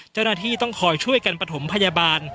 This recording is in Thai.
เจ้าหน้าที่ต้องคอยช่วยกันประถมพยาบาล